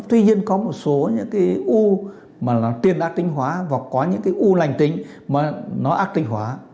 tuy nhiên có một số những cái u mà nó tiên á tinh hóa và có những cái u lành tính mà nó ác tinh hóa